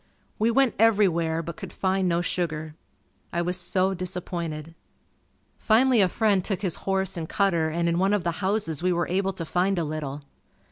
We went everywhere but could find no sugar. I was so disappointed. Finally a friend took his horse and cutter and in one of the houses we were able to find a little.